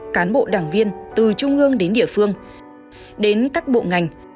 cán bộ đảng viên từ trung ương đến địa phương đến các bộ ngành